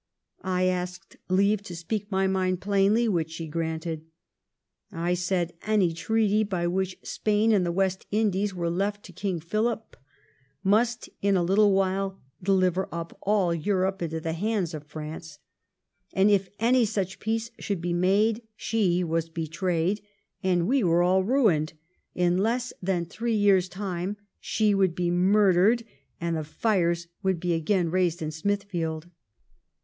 I asked leave to speak my mind plainly ; which she granted. I said, any treaty by which Spain and the West Indies were left to King Philip, must in a little while deUver up all Europe into the hands of France ; and, if any such peace should be made, she was be trayed, and we were all ruined ; in less than three years' time she would be murdered, and the fires would be again raised in Smithfield.'